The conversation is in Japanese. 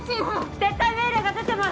撤退命令が出てます！